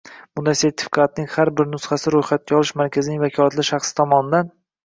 Bunday sertifikatning har bir nusxasi ro‘yxatga olish markazining vakolatli shaxsi tomonidan